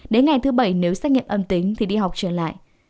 đến ngày thứ bảy nếu xét nghiệm âm tính thì đi học trở lại